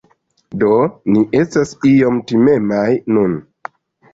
Do, ni estas iom timemaj nun